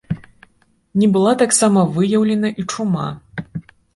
Не была таксама выяўленая і чума.